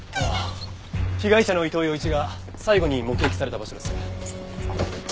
被害者の伊藤洋市が最後に目撃された場所です。